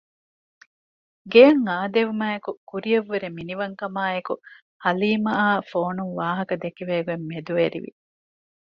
ގެއަށް އާދެވުމާއެކު ކުރިއަށް ވުރެ މިނިވަން ކަމާއެކު ހަލީމައާ ފޯނުން ވާހަކަ ދެކެވޭ ގޮތް މެދުވެރިވި